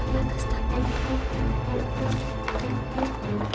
makasih pak tristan